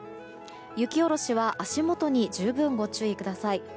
雪下ろしは足元に十分ご注意ください。